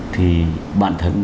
thì bản thân